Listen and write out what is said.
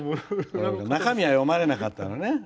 中身は読まれなかったのね。